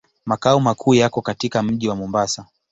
Makao makuu yako katika mji wa Mombasa.